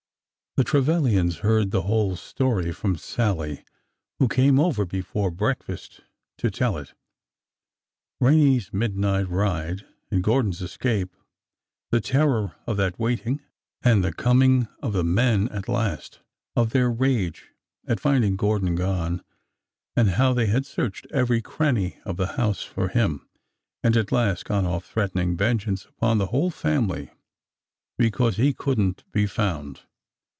The Trevilians heard the whole story from Sallie, who came over before breakfast to tell it— Rene's midnight ride and Gordon's escape— the terror of that waiting, and the coming of the men at last — of their rage at finding Gordon gone, and how they had searched every cranny of the house for him, and at last gone oif threatening vengeance upon the whole family because he could n't be found.